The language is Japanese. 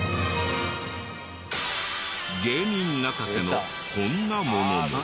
芸人泣かせのこんなものも。